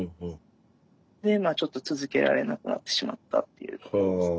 でまあちょっと続けられなくなってしまったっていうことですね。